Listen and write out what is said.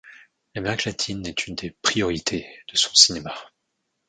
L'Amérique latine est une des priorités de son cinéma.